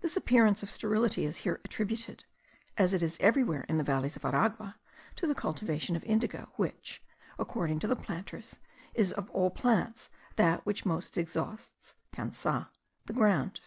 This appearance of sterility is here attributed, as it is everywhere in the valleys of Aragua, to the cultivation of indigo; which, according to the planters, is, of all plants, that which most exhausts (cansa) the ground.